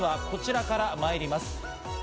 こちらからまいります。